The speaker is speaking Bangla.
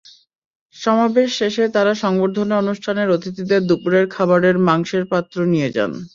সমাবেশ শেষে তাঁরা সংবর্ধনা অনুষ্ঠানের অতিথিদের দুপুরের খাবারের মাংসের পাত্র নিয়ে যান।